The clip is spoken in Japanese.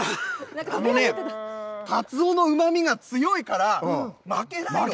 あのねかつおのうまみが強いから負けないの。